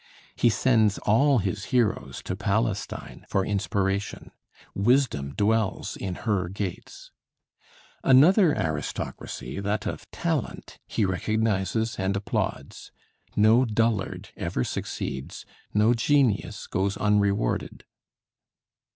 He sends all his heroes to Palestine for inspiration; wisdom dwells in her gates. Another aristocracy, that of talent, he recognizes and applauds. No dullard ever succeeds, no genius goes unrewarded.